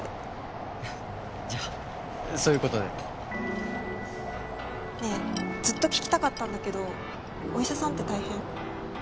じゃあそういう事で。ねえずっと聞きたかったんだけどお医者さんって大変？